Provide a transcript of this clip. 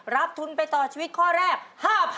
ทุนไปต่อชีวิตข้อแรก๕๐๐๐